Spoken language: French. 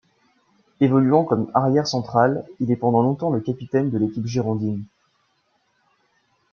Évoluant comme arrière central, il est pendant longtemps le capitaine de l'équipe girondine.